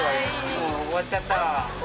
もう終わっちゃった。